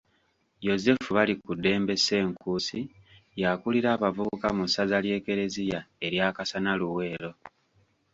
Yozefu Balikuddembe Senkuusi, y'akulira abavubuka mu ssaza ly'eklezia erya Kasana-Luweero.